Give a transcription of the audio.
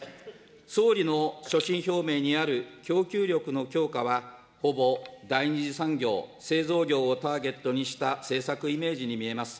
総理の所信表明にある供給力の強化は、ほぼ、第二次産業、製造業をターゲットにした政策イメージに見えます。